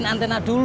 nus nyuruh ngotot